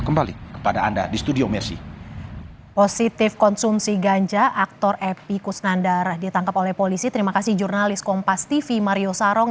kembali kepada anda di studio merci